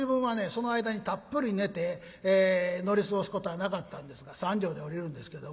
その間にたっぷり寝て乗り過ごすことはなかったんですが三条で降りるんですけどもね。